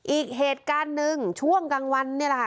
อีกเหตุการณ์หนึ่งช่วงกลางวันนี่แหละค่ะ